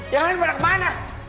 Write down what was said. yang lain pada kemana